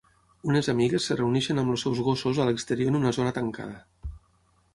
Unes amigues es reuneixen amb els seus gossos a l'exterior en una zona tancada.